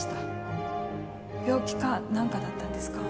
病気かなんかだったんですか？